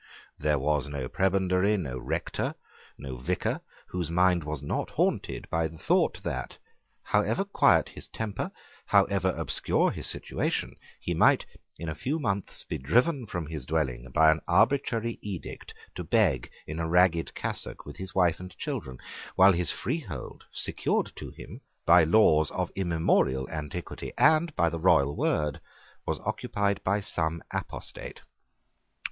There was no prebendary, no rector, no vicar, whose mind was not haunted by the thought that, however quiet his temper, however obscure his situation, he might, in a few months, be driven from his dwelling by an arbitrary edict to beg in a ragged cassock with his wife and children, while his freehold, secured to him by laws of immemorial antiquity and by the royal word, was occupied by some apostate.